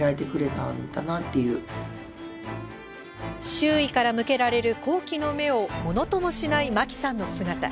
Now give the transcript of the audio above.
周囲から向けられる好奇の目をものともしない麻紀さんの姿。